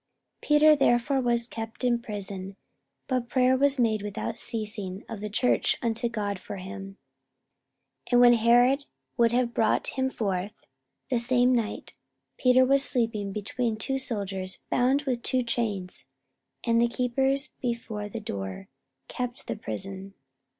44:012:005 Peter therefore was kept in prison: but prayer was made without ceasing of the church unto God for him. 44:012:006 And when Herod would have brought him forth, the same night Peter was sleeping between two soldiers, bound with two chains: and the keepers before the door kept the prison.